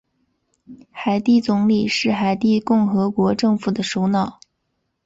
海地总理是海地共和国政府的首脑。